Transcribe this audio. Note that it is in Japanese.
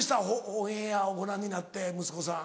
オンエアをご覧になって息子さん。